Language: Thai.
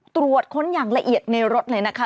ตรวจค้นอย่างละเอียดในรถเลยนะคะ